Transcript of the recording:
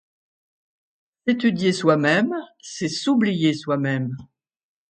S'étudier soi-même, c'est s'oublier soi-même.